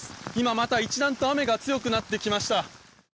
また一段と雨が強くなってきました。